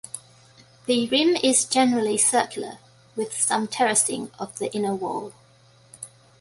The rim is generally circular, with some terracing of the inner wall.